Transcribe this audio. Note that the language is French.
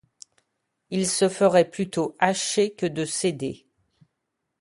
Il se ferait plutôt hacher que de céder...